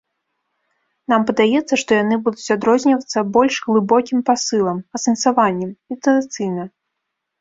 Нам падаецца, што яны будуць адрознівацца больш глыбокім пасылам, асэнсаваннем, інтанацыйна.